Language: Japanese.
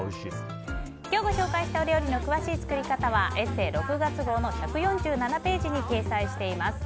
今日ご紹介したお料理の詳しい作り方は「ＥＳＳＥ」６月号の１４７ページに掲載しています。